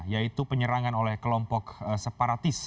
yaitu penyerangan oleh kelompok separatis